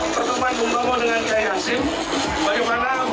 bagaimana bung tomo juga menunggu kiai hasim dan kiai wahab